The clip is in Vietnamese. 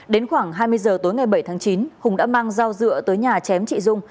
đến khoảng hai mươi giờ tối ngày bảy tháng chín hùng đã mang dao dựa tới nhà chém chị dung